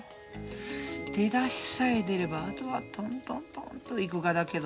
出だしさえ出ればあとはトントントンと行くがだけどのう。